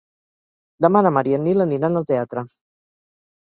Demà na Mar i en Nil aniran al teatre.